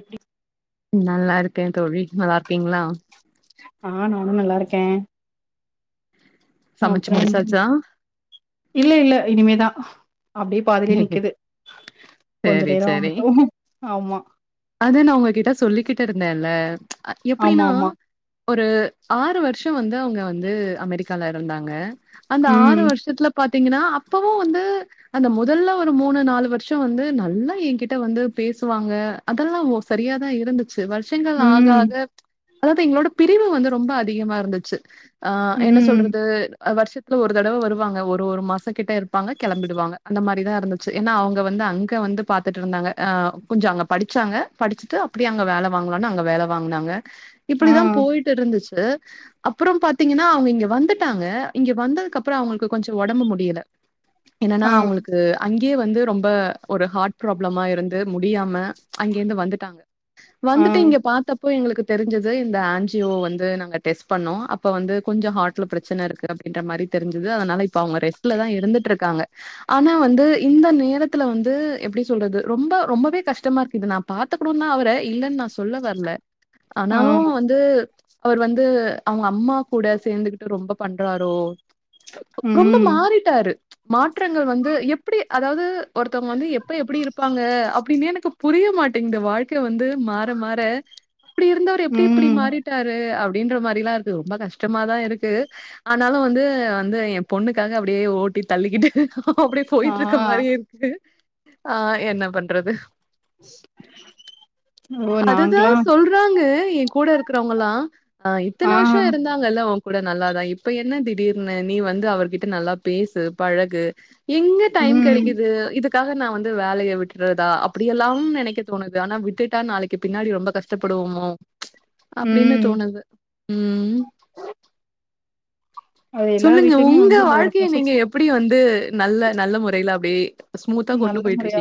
எப்டி நல்லா இருக்கே தோழி நல்லா இருக்கீங்களா ஆஹ் நானும் நல்லா இருக்க சமைச்சு அப்றோம் முடிச்சாச்சா? இல்ல இல்ல இனிமேதா அப்டியே பாதிலே நிக்குது கொஞ்ச சேரி நேரோ சேரி ஆகட்டு ஆமா அது நா உங்ககிட்ட சொல்லிக்கிட் கிட்டு இருந்தேல ஆமா எப்டின்னா ஆமா ஒரு ஆறு வருஷம் வந்து அவுங்க வந்து அமெரிக்கால இருந்தாங்க அந்த ஆறு ம் வருஷத்ல பாத்திங்கன்னா அப்பவும் வந்து அந்த முதல்ல ஒரு மூணு நாலு வருஷோ வந்து நல்லா என்கிட்ட வந்து பேசுவாங்க அதல்லா ஓர் சரியா தா இருந்து ச்சு வருஷங்கள் ஆக ம் ஆக அதாது எங்ளோட பிரிவு வந்து ரொம்ப அதிகமா இருந்துச்சு ஆ என்ன ம் சொல்றது வருஷத்ல ஒரு தடவ வருவாங்க ஒரு ஒரு மாசங்கிட்ட இருப்பாங்க கெளம்பிடுவாங்க அந்த மாரிதா இருந்துச்சு ஏன்னா அவுங்க வந்து அங்க வந்து பாத்துட்ருந்தாங்க அ கொஞ்ச அங்க படிச்சாங்க படிச்சிட்டு அப்டியே அங்க வேல வாங்லான்னு அங்க வேல வாங்னாங்க ஆ இப்டிதா போய்ட்டு இருந்துச்சு அப்புறோ பாத்திங்கனா அவுங்க இங்க வந்துட்டாங்க இங்க வந்ததுக்கப்றோ அவுங்களுக் கொஞ்சோ ஒடம்பு முடியல என்னன்னா ஆ அவுங்ளுக் அங்கியே வந்து ரொம்ப ஒரு ஹார்ட் ப்ராப்ளமா இருந்து முடியாம அங்கேர்ந்து வந்துட்டாங்க ஆ வந்துட்டு இங்க பாத்தப் போ எங்ளுக்கு தெரிஞ்சது இந்த ஆஞ்ஜியோ வந்து நாங்க டெஸ்ட் பண்ணோ அப்ப வந்து கொஞ்சோ ஹார்ட்ல ப்ரச்சனருக்கு அப் ன்ற மாறி தெரிஞ்சிது அதனால இப்ப அவுங்க ரெஸ்ட்லதா இருந்துட்ருக்காங்க ஆனா வந்து இந்த நேரத்துல வந்து எப்டி சொல்றது ரொம்ப ரொம்பவே கஷ்டமாருக்கு இத நா பாத்துக்குணூன்தா ட இல்லன் நா சொல்ல வர்ல ஆ ஆனாலு வந்து அவுர் வந்து அவுங்க அம்மா கூட சேந்துகுட்டு ரொம்பப் பண்றாரோ ரொம்ப ம் மாறிட்டாரு மாற்றங்கள் வந்து அப்டி அதாது ஒருத்தவ்ங்க வந்து எப்ப எப்டி இருப்பாங்க அப்டின்னே எனக்கு புரிய மாட்டிங்து வாழ்க்கே வந்து மாற மாற அப்டி இருந்தவரு எப்டி இப்டி ம் மாறிட்டாரு அப்டின்ற மாறிலாம் இருக்கு ரொம்ப கஷ்டமாதா இருக்கு ஆனாலு வந்து வந்து எ பொண்ணுக்காக அப்டியே ஓட் டி தள்ளிக்கிட்டு அப்டியே ஆ போய்ட்ருக்க மாறி இருக்கு ஆ என்ன பண்றது ஓ அதுதா நாங்களா சொல்றாங்க என் கூட இருக்குறவங்கலா அ ஆ இத்தன வருஷோ இருந்தாங்கல்ல ஓன் கூ கூட நல்லாதா இப்ப என்ன திடீர்னு நீ வந்து அவர்கிட்ட நல்லா பேசு பழகு எங்க டைம் ம் கெடக்கிது இதுக்காக நா வந்து வேலய விட்டுட்றதா அப்டி எல்லாம் நெனைக்கத் தோணுது ஆனா விட்டுட்டா நாளைக்கு பின்னாடி ரொம்ப கஷ்டப்படுவோமோ அப்டின்னு ம் தோணுது ம் அது எல்லார் சொல்லுங்க வீட்லயுமே உங்க வந்து இந்த ஒரு வாழ்க்கய நீங்க பொசசிவ் எப்டி வந்து நல்ல நல்ல மொறைய்ல அப்டே நல்ல மொறையா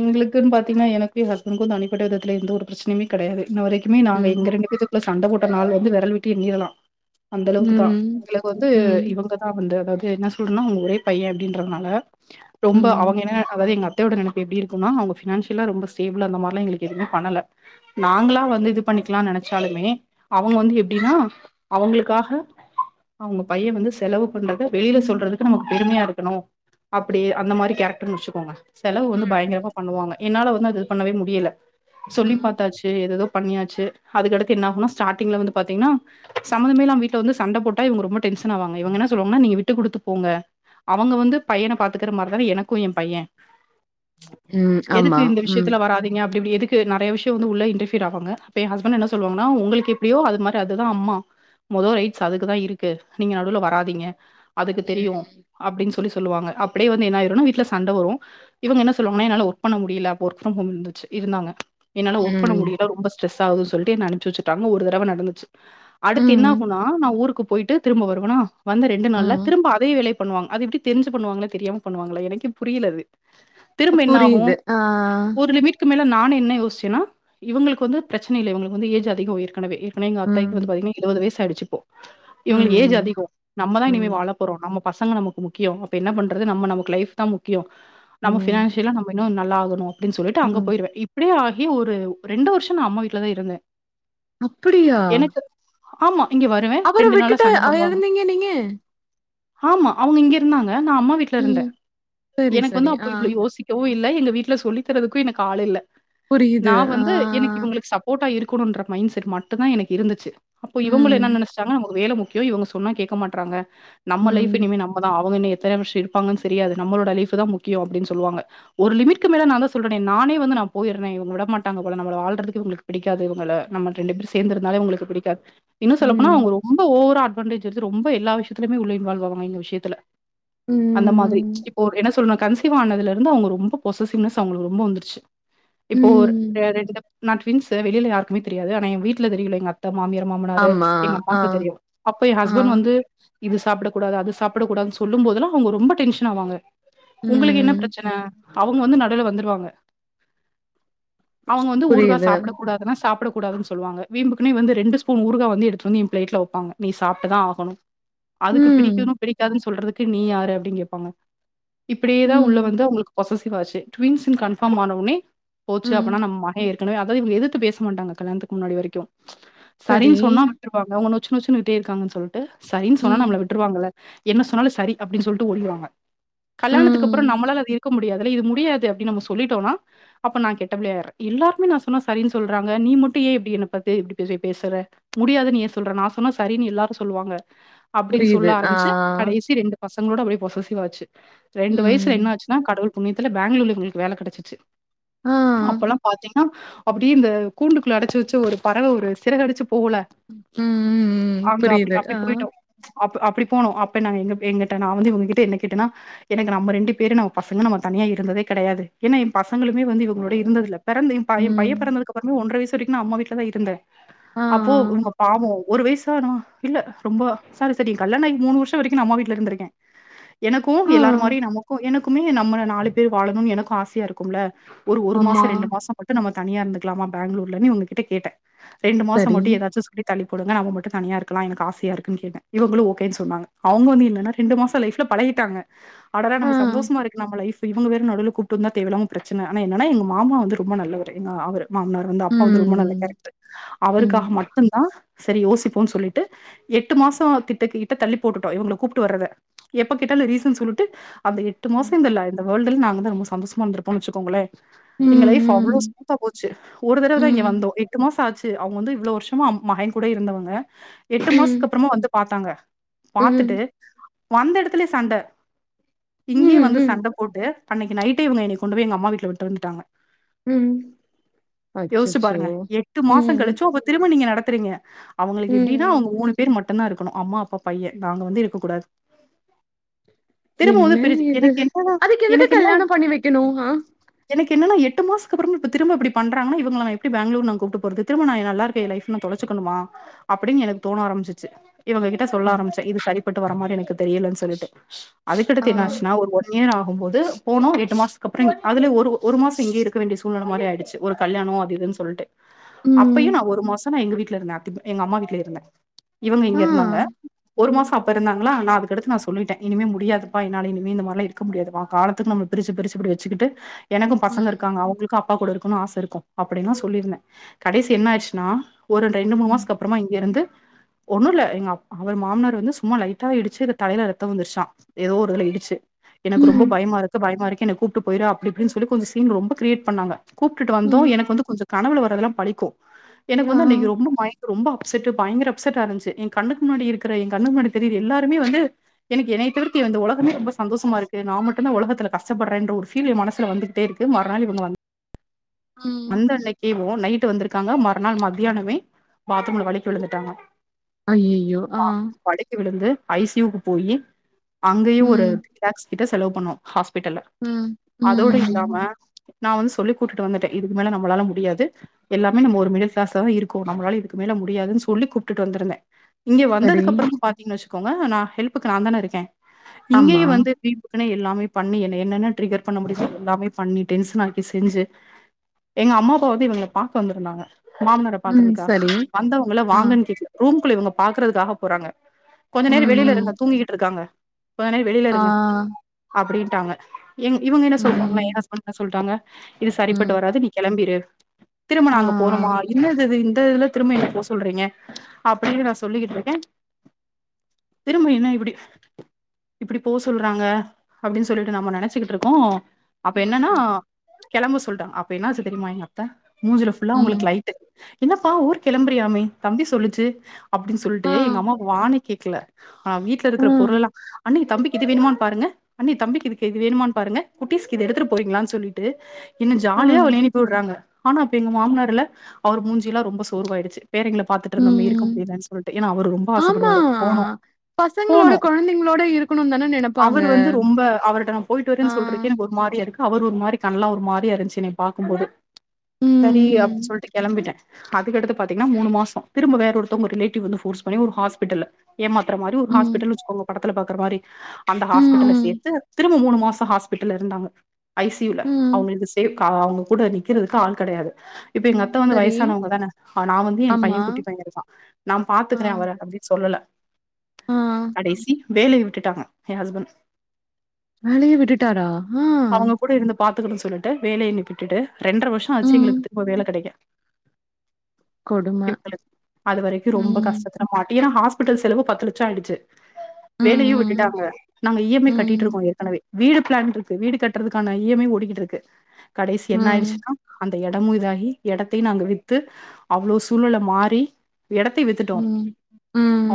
எங்ளுக்குன் பாத்திங்னா எனக்கு ஹஸ்பண்ட்க்கு தனிப்பட்ட விதத் துல எந்த ஒரு ப்ரச்னயுமே கெடயாது இன்ன வரைக்குமே நாங்க ம். எங்க ரெண்டு பேத்துக் குள்ள சண்ட போட்ட நாள் வந்து வெரல் விட்டு எண்ணிரலா அந்த அளவுக்கு தா ம். எங்ளுக்கு வந்து ம். இவங்கதா வந்து அதாது என்ன சொல்றன்னா அவங்க ஒரே பைய அப்டின்றதனால ரொம்ப அவங்க ம். என்ன அதாது எங்க அத் த்தையோட நெனப்பு எப்டி இருக்குன்னா அவ்ங்க ஃபினான்ஷியலா ரொம்ப ஸ்டேபுளா அந்த மாற்லா எங்ளுக் எதுவுமேப் பண்ணல நாங்களா வந்து இது பண்ணி ணிக்கலாம் நெனச்சாலுமே அவுங்க வந்து எப்டின்னா அவங்குளுக்காக அவுங்க பைய வந்து செலவு பண்றத வெளில சொல்றதுக்கு நமக்கு பெருமயா இருக்கணு அப்டி அந்த மாறி கேரக் ருன்னு வச்சுக்கோங்க செலவு ம். வந்து பயங்ரமா பண்ணுவாங்க என்னால வந்து அத இது பண்ணவே முடியல சொல்லிப் ம். பாத்தாச்சு எதேதோ பண்ணியாச்சு அதுக்கடுத்து என்ன ஆகுன்னா ஸ்டார்ட்டிங்ல வந்து பாத்திங்ன்னா சம்மந்தமே இல்லாம வீட்ல வந்து சண்ட போட்டா இவ்ங்க ரொம்ப டென் ஷனாவாங்க இவுங்க என்ன சொல்வாங்ன்னா நீங்க விட்டு குடுத்து போங்க அவங்க வந்து பையன பாத்துக்குற மாறிதான எனக் கு என் பைய ம். எதுக்கு ஆமா. இந்த ம். விஷ்யத்துல வராதிங்க அப் பட்டி இப்டி எதுக்கு நெறய விஷ்யம் வந்து உள்ள இன்ட்டரஃபியர் ஆவாங்க அப்ப என் ஹஸ்பண்ட் என்ன சொல்வாங்கன்னா உங்ளுக்கு எப்டியோ அது மாறி அதுதா அம்மா மொதோ ரைட்ஸ் அதுக்குதா இருக்கு நீங்க நடுல வராதிங்க அதுக்கு தெரியு அப்டின் சொல்லி சொல்லுவாங்க அப்டியே வந்து என்னாயிருன்னா வீட் வீட்ல சண்ட வரு இவுங்க என்ன சொல்வாங்கன்னா என்னால ஒர்க் பண்ண முடியல அப்ப ஒர்க் ஃப்ரம் ஹோம் இருந்துச்சி இருந்தாங்க என்னால ஒர்க் பண்ண ம். முடில ரொம்ப ஸ்ரெஸ்ஸாவுது சொல்ட்டு என்ன அனுப்ச்சுவச்சிட்டாங்க ஒரு தடவ நடந்துச்சு அடுத்து என்ன ம். ஆகுன்னா நா ஊருக்கு போய்ட்டு திரும்ப வருவனா வந்த ரெண்டு நாள்ல ம். திரும்ப அதே வேலய பண்ணுவாங்க அது எப்டி தெரிஞ்சி பண்ணுவாங்ளா தெரியாம பண்ணுவாங்களா எனக்கே புரியல அது திரும்ப என்ன ஆகு புரியுது. ஆ. ஒரு லிமிட்க்கு மேல நானு என்ன யோசிச்சேன்னா இவங்களுக்கு வந்து ப்ரச்சன இல்ல இவங்களுக்கு வந்து ஏஜ் அதிகொ ஏற்கனவே மே எங்க ம். அத்தைக்கு வந்து பாத்தீங்னா எழுவது வயஸ் ஆயிடுச்சி இப்போ இவங்களுக்கு ஏஜ் ம். அதிகொ நம்ம தா இனிமே ம். வாழ போறோ நம்ம பசங்க நமக்கு முக்கியொ அப்ப என்னா பண்றது நம்ம நமக்கு லைஃப் தா முக்கியொ நம்ம ம். ஃபினான்சியலா நம்ம இன்னு ந ல்லா ஆகணு அப்டின் சொல்லிட்டு அங்க ம். போயிருவ இப்டியே ஆகி ஒரு ரெண்டு வர்ஷொ நா அம்மா வீட்ல தா இருந்தே அப்புடியா இங்கெ வருவ ரெண்டு நாளா சண்ட போடுவாங்க இருந்தீங்க நீங்க? ஆமா அவுங்க இங்க இருந்தாங்க நா அம்மா வீட்ல இருந்த ம். சரி, எனக்கு சரி. வந்து ஆ அப்ப இவ்ளோ யோசிக்கவு வு இல்ல எங்க வீட்ல சொல்லித் தர்றதுக்கு எனக்கு ஆளு இல்ல புரியுது. நா ஆ. வந்து எனக்கு இவங்களுக்கு சப்போட்டா இருக்கு குனுன்ற மைண் செட் மட்டுந்தா எனக்கு இருந்துச்சி அப்போ இவங்களு ம். என்னா நெனச்சிட்டாங்க நமக்கு வேல முக் கியொ இவ்ங்க சொன்னா கேக்க மாட்றாங்க நம்ம லைஃப் ம். இனிமே நம்மதா அவங்க இன்னு எத்தன வர்ஷ இருப்பாங்கன் செரியாது நம்மளோட லைஃபுதா முக்கியொ அப்டீன் சொல்லுவங்க ஒரு லிமிட்க்கு மேல நாந்தா சொல்றனே நானே வந்து நா போயிர்றே இவ்ங்க விட மாட்டாங் க போல நம்மள வாழ்றதுக்கு இவுங்களுக்கு பிடிக்காது இவுங்கள நம்ம ரெண்டு பேர் சேந்திருந்தாலே உங்களுக்கு பிடிக்காத் இன்னு சொல்லப் போனா ம். அவ்ங்க ரொம் ம்ப ஓவரா அட்வான்டேஜ் எடுத்து ரொம்ப எல்லா விஷயத்தலைமே உள்ள இன்வால்வ் ஆவாங்க இந்த விஷயத்துல அந்த மாதிரி ம். இப்போ என்ன சொல் நா கன்சீவ் ஆனதுலருந்து அவுங்கொ ரொம்பொ பொசசிவ்னஸ் அவ்ங்களுக்கு ரொம்பொ வந்த்ருச்சி இப்போர் ர ம். ரெண்டுப் நா ட்வின்ஸு வெளியில யாருக்குமே தெரியாது ஆனா ஏ வீட்ல தெரியுல எங்க அக் மாமியார் மாமனாரு ஆமா. எங்க ஆ. அம்மாக்கு தெரியு அப்ப ஏ ஆ. ஹஸ்பண்ட் வந்து இது சாப்டக் கூடாது அது சாப்டக் கூடாதுன் சொல்லும் போதல்லா அவுங்க ரொம்ப டென்ஷன் ஆவாங்க உங்களுக்கு என்ன ம். ப்ரச்சன அவுங்க வந்து நடுவ்ல வந்துருவாங்க அவுங்க வந்து ஊறுகா புரியுது. சாப்டக் கூடாதுன்னா சாப்டக் கூடாதுன் சொல்லுவாங்க வீம்புக்குன்னே வந்து ரெண்டு ஸ்பூன் ஊறுகா வந்து எடுத்துட்டு வந்து ஏ ப்ளேட்ல வப்பாங்க நீ சாப்ட்டுதா ஆகணு அதுக்கு ம். பிடிக்குனு பிடிக்காதுன் சொல்றதுக்கு நீ யாரு அப்டின் கேப்பாங்க இப்டியேதா ம். உள்ள வந்து அவுங்களுக்கு பொசஸிவ் ஆச்சு டவின்ஸுனு கன்ஃபார்ம் ஆனொன்னே போச்சு ம். அப்பனா நம்ம மஹெ கனவே அதாது இவுங்க எதுத்து பேச மாட்டாங்க கல்யாணத்துக்கு முன்னாடி வரைக்கு சரி. சரின் சொன்னா விட்ருவாங்க அவுங்க நொ ச்சு நொச்சுனுக்ட்டே இருக்காங்கன் சொல்ட்டு சரின் சொன்னா ம். நம்மள விட்ருவாங்கல்ல என்ன சொன்னாலு சரி அப்டின் சொல்ட்டு ஓடிருவாங்க ம். கல்லாணத்துக்கப்பறொ நம்மளால அது இருக்க முடியாதுல்ல இது முடியாது அப்டின் நம்ம சொல்லிட்டோன்னா அப்ப நா கெட்டப் பிள்ளையாய்ற எல்லாருக்மே நா சொன்னா சரின் சொல்றாங்க நீ மட்டு ஏ இப்டி என்ன பாத்து இப்டி பேஸ்வ பேசற முடியாதுன் ஏ சொல்ற நா சொ ன்னா சரின் எல்லாரு சொல்லுவாங்க அப்டின் சொல்ல புரியுது. ஆ. ஆரம்பிச்சு கடைசி ரெண்டு பசங்களோட அப்டியே பொசஸிவ் ஆச்சு ரெண்டு ம். வயஸ்ல என்னா ஆச்சுன்னா கடவுள் புண்ணியத்துல பேங்களூர்ல இவுங்களுக்கு வேல கடச்சிச்சி ஆ. அப்பொல்லா பாத்தீங் னா அப்டியே இந்த கூண்டுக்குள்ள அடச்சு வெச்ச ஒரு பறவ ஒரு சிறகடிச்சி போகுல்ல ம், ம், ம். அங்க அப்டி புரியுது. அப்டி ஆ. போய்ட்டோ அப்ப அப்டி போனோ அப்ப நாங்க எங்க எங்கட்ட நா வந்து இவுங்கக்கிட்ட என்ன கேட்டனா என்னங்க நம்ம ரெண்டு பேரு நம்ம பசங்க நம்ம தனியா இருந்ததே கடையாது ஏன்னா என் பசங்களுமே வந்து இவங்களோட இருந்ததில்ல பெறந்த ஏ பை ஏ ம். பைய பெறந்ததுக்கப்பறமே ஒன்ற வயசு வரைக்கு நா அம்மா வீட்லதா இருந்த ஆ. அப்போ இவ்ங்க பாவொ ஒரு வைசா நா இல்ல ரொம்பொ சாரி சாரி ஏ கல்யாணொ ஆயி மூணு வர்ஷொ வரைக்கு நா அம்மா வீட்ல இருந்துருக்கே எனக் கு ஆ. எல்லார் மாரியு நமக்கு எனக்குமே நம்மள நாலு பேர் வாழணுன் எனக்கு ஆசையா இருக்கும்ல ஒரு ஒரு மாசொ ஆமா. ரெண்டு மாசொ மட்டு நம்ம தனியா இருந்துக்லாமா பேங்ளூர்லனு இவ்ங்கக் கிட்ட கேட்ட ரெண்டு மாசொ சரி. மட்டு ஏதாச்சு சொல்லி தள்ளிப் போடுங்க நம்ம மட்டு தனியா இருக்கலா எனக்கு ஆசையா இருக்குன் கேட்ட இவங்களு ஓகேன் சொன்னாங்க அவுங்க வந்து என்னானா ரெண்டு மாசொ லைஃப்ல பழைய டாங்க அடடா ஆ. நம்ம சந்தோஷமா இருக்கு நம்ம லைஃபு இவங்க வேற நடுவ்ல கூப்ட்டு வந்தா தேவயில்லாம ப்ரச்சன ஆனா என்னானா எங்க மா மா வந்து ரொம்ப நல்லவரு எங்க அவரு மாம்னார் வந்து அப்பா வந்து ரொம்ப நல்ல ம். கேரக்ட்ரு ம். அவருக்காக மட்டுந்தா சரி யோசிப்போன் சொல்லிட்டு எட்டு மாசொ திட்ட கிட்ட தள்ளிப் போட்டுட்டோ இவுங்கள கூப்ட்டு வர்றத எப்ப கேட்டாலு ரீசன் சொல்லுட்டு அந்த எட்டு ம். மாசொ இந்த லை இந்த வேல்டுல் நாங்க தா ரொம்ப சந்தோசமா இருந்த்ருப்போன் வெச்சுக்கோங்களே ம், எங்க லைஃப் அவ்ளோ ஸ் ம், மூதா போச்சி ஒரு தடவ தா இங்க ம், வந்தோ எட்டு மாசொ ஆச்சி அவுங்க வந்து இவ்ளோ வர்ஷமா மஹென் கூட இருந்தவங்க எட்டு ம், மாசத்க்கப்பறமா வந்து பாத்தாங்க ம், பாத்துட்டு வந்த எடத் துலே சண்ட இங்கயே வந்து ம், சண்டப் போட்டு அன்னக்கி நைட்டே இவங்க என்னைய கொண்டு போய் எங்க அம்மா வீட்ல விட்டந்துட்டாங்க ம். யோஷ்சி அச்சச்சோ! பாருங்க எட்டு ம், மாசங்கழிச்சு உங்க திரும்ப நீங்க நடக் திறிங்க அவுங்களுகு எப்டின்னா ம். அவுங்க மூனு பேர் மட் ட்டுந்தாருக்கணு அம்மா அப்பா பைய நாங்க வந்து இருக்கக் கூடாது திரும்ப என்ன வந்து பிரிச் இது? எனக்கு என்னனா அதுக்கு எதுக்கு எனக்கு என்ன கல்யாணம் பண்ணி வைக்கணும்? ஆ? எனக்கு என்னன்ன எட்டு மாசத்கு ஒருமுற இப்ப திரும்ப இப்டி பண்றாங்கனா இவங்கள நா எப்டி பெங்களூர் நா கூப்ட்டு போறது திரும்ப நா ஏ நல்லாருக்க ஏ லைப் நா தொ தொலச்சுக்கணுமா அப்டின் எனக்கு தோன ஆரம்பிச்சிச்சு இவங்க கிட்ட சொல்ல சரி. ஆரம்பிச்சே இது சரிப்பட்டு வர மாரி எனக்கு தெரியலனு சொல்லிட்டு ஆ, அதுக்கடுத்து என்னாச்சுனா ஒரு ஒன் இயர் ஆகும் போது போனோ எட்டு மாசத்துக்கப்ற அதுலே ஒரு ஒரு மாச இங்கே இருக்க வேண்டிய சூழ்நில மாரி ஆயிடுச்சு ஒரு கல்யாண நோ அதுஇதுன்னு சொல்ட்டு ம், அப்பயு நா ஒரு மாச எங்க வீட்லருந்தே அத்தி எங்க அம்மா வீட்லேருந்த இவுங்க ஆ, இங்கயிருந்தாங்க ஒரு மாச அப்ப இருந்தாங்ளா நா அதுக்கடுத்து நா சொல்லிட்டே இனிமே முடியாதுப்பா என்னாலயு இனிமே இந்த மார்லா இருக்க முடியாது பா காலத்துக்கு நம்ள பிரிச்ச பிரிச்சு இப்டி வச்சுகிட்டு எனக்கு பசங்க ம், இருக்காங்க அவுங்களுக்கு அப் அப்பா கூடருக்கனு ஆசருக்கு அப்டின்னா சொல்லியிருந்த கடைசி என்ன ஆயிற்சுன்னா ஒரு ரெண்டு மூனு ம், மாசத்கப்புறமா இங்கேருந்து ஒன்னுல்ல எங்க அப்பா அவர் மாமனார் வந்து சும்மா லைட்டா இடிச்சு தலோல ரெத் ரெத்தோ வந்துருச்சா ஏதோ ஒரு இதுல இடிச்சு எனக்கு ரொம்ப ம், பயமாருக்கு பயமாருக் என்ன கூப்ட்டு போயிரு அப்டிஇப்டின்னு சொல்லி கொஞ்ச சீன் ரொம்ப கிரியேட் பண்ணாங்க கூப்டுட்டு வந்தோ ம், எனக்கு வந்து கொஞ்ச கனவுல வர்றதெல்லா பழிக்கு எனக்கு ஆ, வந்து அன்னைக்கு ரொம்ப மைண்டு ரொம்ப ப்செட்டு பயங்கர அப்செட்டாருந்துசு எங்கண்ணுக்கு முன்னாடி இருக்கிற எங்கண்ணுக்கு முன்னாடி தெரிர்ற எல்லாருமே வந்து எனக்கு என்னய தவிர்த்தி இந்த ஒலகமே ரொம்ப சந்தோஷமா இருக்கு நா மட்டு்ந்தா ஒலகத்துல கஷ்டப்பட்றேன்ற ஒரு பீல் ஏ மனசுல வந்துட்டேருக்கு மர்நாள் இவுங்க வந் ம். வந்த அன்னைக்கேவு நைட்டு வந்துருக்காங்க மறுநாள் மத்யானமே பாத்ரூம்ல வழிக்கு விழுந்துட்டாங்க ஐயையோ! ஆ, வ வழிக்கி விழுந்து ஐ சி யூ க்கு போயி அங்கயு ஒரு ம், லேக்ஸ் கிட்ட செலவு பண்ணோ ஹாஸ் விடல ம், அதோடு இல்லாம ம். நா வந்து சொல்லி கூட்டுட்டு வந்துட்டே இதுக்கு மேல நம்மளால முடியாது எல்லாமே நம்ம ஒரு மிடில்க்ளாஸ்ல தா இருக்ககோ நம்மளால இதுக்கு மேல முடியாதுன் சொல்லி கூப்டுட்டு வந் ந்திருந்தே இங்க சரி. வந்ததுக்கு அப்பறமு பாத்தீங்கன் வச்சுக்கோங்க நா ஹெல்ப்புக்கு நா தானருக்கே ஆமா. இங்கயு வந்து வீம்புக்குனே எ எல்லாமே பண்ணி என்ன என்னென்ன ட்ரிகர் பண்ண முடிமோ எல்லாமே பண்ணி டென்ஷனாக்கி செஞ்சு எங்க அம்மா அப்பாவந்து இவங்கள பாக்க வந்திருந்தாங்க மாமனார ம், பாக்குறதுக்கா சரி. வந்தவங்கள ஆ, வாங்கன்னு கேக்கல ரூம்குள்ள இவுங்க பாக்குறதுக்காக போறாங்க கொஞ்ச ம், நேர வெளியில இருங்க ம். தூங்கிகிட்ருக்காங்க கொஞ்ச நேர வெளில ஆ, இருங்க அப்டின்ட்டாங்க எங் இவுங்க என்ன சொல்றாங்கனா ஏ ம், ஹஸ்பண்ட் என்ன சொல்றாங்க இது ம். சரிபட்டு வராது நீ கெளம்பிரு திரும்ப ஆ, நா அங்க போனுமா இன்னதது இதுல திரும்ப ஏ போ சொல்றீங்க அப்டின்னு நா சொல்லிக்கிட்ருக்கே திரும்ப என்ன எப்புடி இப்புடி போ சொல்றாங்க அப்டின்னு சொல்லிட்டு நம்ம நெனச்சிக்கிட்ருக்கோ அப்ப என்னன்னா ம், கெளம்ப சொல்டாங்க அப்ப என்னாச்சு தெரியுமா எங்க அத்த மூஞ்சுல புல்லா ம். அவுங்களுக்கு லைட்டு என்னப்பா ஊர்க் கெளம்பறியாமே தம்பி சொல்லுச்சு அப்டின் சொல்ட்டு ஆ. எங்க அம்மாவ வாணி கேக்ல ஆ வீட்லருக்கிற ம் பொருள்லெல்லா அண்ணி தம்பிக்கு இது வேணுமான் பாருங்க அண்ணி தம்பிக்கு இதுக்கு இது வேணுமான் பாருங்க குட்டீஸ்கிது எடுத்துட்டு போறீங்ளா சொல்லிட்டு என் ஆ ஜாலியா வழியனுப்பியுட்றாங்க ஆனா அப்ப எங்க மாமனார்ல்ல அவர் மூஞ்சி எல்லா ரொம்ப சோர்வாயிடுச்சு பேரங்கள பாத்துட்ருந்தமே இருக்க ம் முடியலன் சொல்ட்டு ஏன்னா அவர் ரொம்ப ஆசப்படுவாரு போனு பசங்ளோட கொழந்தைங்ளோட இரு அவரு வந்து ரொம்ப அவருட்ட நா போயிட்டு ஆ வறேன் சொல்றக்கே எனக்கு ஒரு மாரியாருக்கு அவர் ஒரு மாரி கண்லா ஒரு மாரியாருன்ச்சு என்னைய பாக்கும் போது சரி அப்டி ம் சொல்ட்டு கெளம்பிட்டே அதுக்கடுத்து பாத்தீங்ன்னா மூனு மாசோ திரும்ப வேற ஒருத்தவங்க ரிலேடிவ் வந்து போர்ஸ் பண்ணி ஒரு ஹாஸ்பிட்டல்ல ஏமாத்தர மாரி ஒரு ம் ஹாஸ்பிட்டல் வச்சுக்கோங்க படத்துல பாக்குற மாரி அந்த ஹாஸ்பிட்டல்ல ம் சேத்து திரும்ப மூனு மாச ஹாஸ்பிட்டல்லருந்தாங்க ஐ சி யு ல ம் அவுங்களுக்கு சேவ் கா அவுங்க கூட நிக்கறதுக்கு ஆள் கெடயாது இப்போ எங்க அத்த வந்து சரி வயசானவங்கதான ஆ நா வந்து ஏ ஆமா பையன் குட்டி பைய இருக்கா நான ஆ பாத்துக்கிறே அவர அப்டின்னு சொல்லல ஆ கடைசி வேலைய விட்டுட்டாங்க ஏன் ஹஸ்பண் வேலைய விட்டுட்டாரா ஆ பாத்துக்குணுன் சொல்லுட்டு வேலையென்னி விட்டுட்டு ரெண்ட்ர வர்ஷோ ஆச்சு ம் எங்ளுக்கு திரும்ப வேல கெடைக்க கொடும எங்களுக்கு அது வரைக்கு ரொம்ப ம் கஷ்டத்துல மாட்டி ஏனா ஹாஸ்பிட்டல் செலவு பத்து லட்ச ஆய்டுச்சு ம் வேலையு ம் விட்டுட்டாங்க நாங்க இ எம் ஐ கட்டிட்ருக்கோ ம் ஏற்கனவே வீடு பிளான்ட்ருக்கு வீடு கட்டுறதுக்கான இ எம் ஐ ஓடிக்கிட்ருக்கு கடைசி என்ன ம் ஆய்டுச்சுன்னா அந் த எடமு இதாகி எடத்தை நாங்க வித்து அவ்ளோ சூழ்நெல மாரி எடத்தை வித்துட்டோ ம்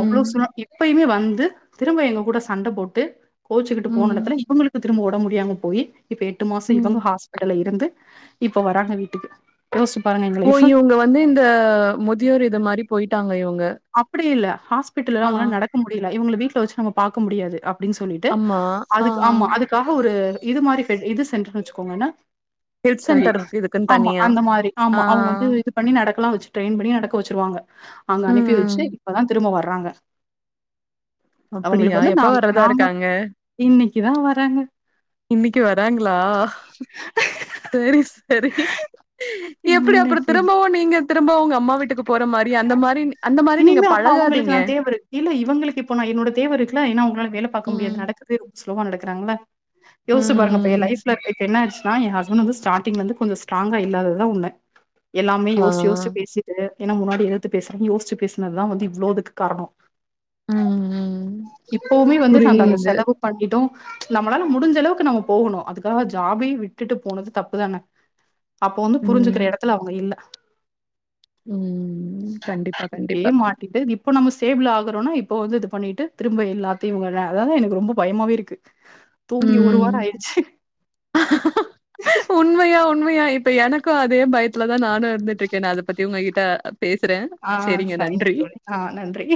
அவ்ளோ சொன்னா எப்பயுமே வ ந்து திரும்ப எங்க கூட சண்ட போட்டு கோச்சுக்கிட்டு போன ம் எடத்துல இவங்களுக்கு திரும்ப ஒடம் முடியாம போயி இப்ப எட்டு மாச ம் இவங்க ஹாஸ்பிட்டல்ல இருந்து இப்ப வராங்க வீட்டுக்கு யோசிச்சு பாருங்க எங்க ஓ லைஃப. இவுங்க வந்து இந்த முதியோர் இது மாரி போய்ட்டாங்க இவங்க அப்புடி இல்ல ஹாஸ்பிட்டுல்லலா அவுங்கள நடக்க முடில இவுங்கள வீட்ல வச்சு நம்ம பாக்க முடியாது அ அப்டின் சொல்லிட்டு ஆமா ஆ அதுக்கு ஆமா அதுக்காக ஒரு இது மாரி செஞ் இது சென்ட்ருன் வச்சுக்கோங்கனா ஹெல்த் சென்டர் இருக்கு இதுக் ஆமா அந்த மாரி ஆமா அவுங்க வந்து இது பண்ணி நடக்கலா வச்சு ட்ரெயின் பண்ணி நடக்க வச்சுருவாங்க அங்க அனி ம் ப்பி ம் வச்சு இப்பதா திரும்ப வர்றாங்க அப்டியா அவுங்களுக்கு வந்து எப்ப நாங் வர்றதா நாம இருக்காங்க இன்னைக்குதா வராங்க இன்னைக்கு வராங்ளா செரி செரி எப்டி அப்புறோ இன்னைக்கு. திரும்பவு நீங்க திரும்ப உங்க அம்மா வீட்டுக்கு போற மாரி அந்த மாரி அந்த மாரி நீங்க இனிமே அப்ப அவுங்களுக்கு பழகாதீங்க நா தேவரு இல்ல இவங்களுக்கு இப்போ நா என்னோட தேவ இருக்குல ஏனா அவுங்ளால வே வேல பாக்க முடியாது ம் நடக்கவே ரொம்ப ஸ்லோவா நடக்குறாங்குள யோசு பாருங்க அப்ப ம் என் ம். லைஃப்ல இப்ப இப்ப என்னாச் நா என் ஹஸ்பன் வந்து ஸ்டார்டிங்லந்து கொஞ்ச ஸ்ட்ராங்கா இல்லாததா உண்ம எல்லாமே ஆ யோச்சு யோச்சு பேசிட்டு ஏனா முன்னாடி இழுத்து பேசுறேன் யோட்ச்சு பேசுனதுதா வந்து இவ்ளோ இதுக்கு காரணோ ம் ம் இப்பவுமே வந்து நாங்க அந்த புரியுது செலவு பண்ணிடோ நம்மளால முடிஞ்ச அளவுக்கு நம்ம போகணு அதுக்காக ஜாபயு விட்டுட்டு போனது தப்புதான அப்போ வந்து புரிஞ்சுக்கிற ம் எடத்துல அவுங்க இல்ல ம் கண்டிப்பா கண் டியே மாட்டிட்டு இப்ப நம்ம சி டேபிள் ஆகுறோனா இப்ப வந்து இது பண்ணிட்டு திரும்ப எல்லாத்தியு வல அதாதா எனக்கு ரொம்ப பயமாவே இருக்கு தூங்கி ஒரு ம் வார ஆய்டுச்சு உண்மையா உண்மையா இப்ப எனக்கு அதே பயத்துலதா நானு இருந்துட்ருக்கே நா அத பத்தி உங்ககிட்ட பேசுறே ஆ செரிங்க சரிங்க நன்றி தோழி ஆ நன்றி